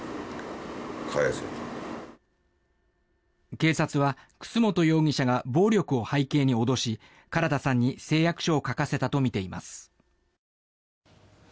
警察は楠本容疑者が暴力を背景に脅し唐田さんに誓約書を書かせたとみています。